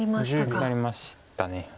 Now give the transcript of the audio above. なくなりました。